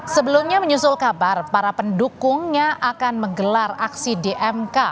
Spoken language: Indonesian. sebelumnya menyusul kabar para pendukungnya akan menggelar aksi dmk